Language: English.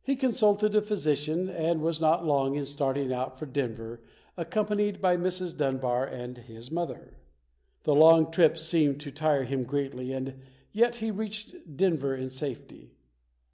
He consulted a physician and was not long in starting out for Denver, ac companied by Mrs. Dunbar and his mother. The long trip seemed to tire him greatly and yet he reached Denver in safety.